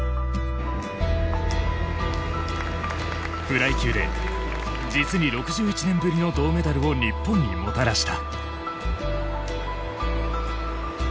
フライ級で実に６１年ぶりの銅メダルを日本にもたらした。